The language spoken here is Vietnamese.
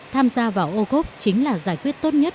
tham gia vào ô cốt chính là giải quyết tốt nhất